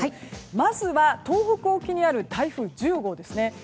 まずは東北沖にある台風１０号ですね。